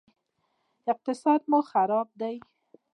اقتصاد مو خراب دی